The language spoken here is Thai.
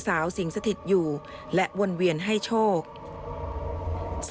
ผ้า๓สีเข็มขัดทอง